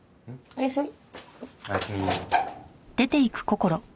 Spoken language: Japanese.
おやすみ。